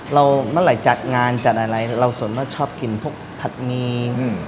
เมื่อไหร่จัดงานจัดอะไรเราส่วนมากชอบกินพวกผัดหงี